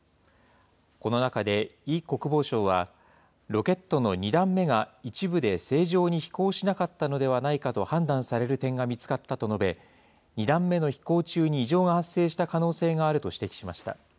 この中でイ国防相は、ロケットの２段目が一部で正常に飛行しなかったのではないかと判断される点が見つかったと述べ、２段目の飛行中に異常が発生した可能性があると指摘しました。